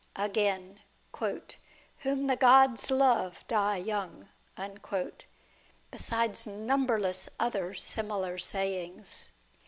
Again, "whom the gods love, die young ;" besides number less other similar sayings.